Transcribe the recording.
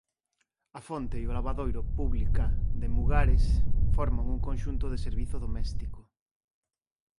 A fonte e o lavadoiro pública de Mugares forman un conxunto de servizo doméstico.